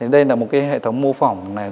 đây là một cái hệ thống mô phỏng